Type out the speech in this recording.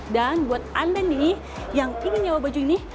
dan buat anda nih yang ingin nyewa baju ini